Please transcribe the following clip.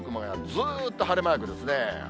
ずーっと晴れマークですね。